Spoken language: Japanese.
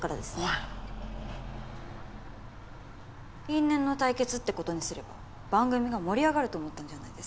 因縁の対決って事にすれば番組が盛り上がると思ったんじゃないですか？